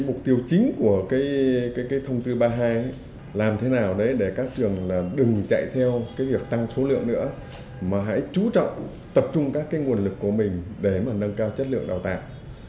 mục tiêu chính của thông tư ba mươi hai là làm thế nào để các trường đừng chạy theo việc tăng số lượng nữa mà hãy chú trọng tập trung các nguồn lực của mình để nâng cao chất lượng đào tạo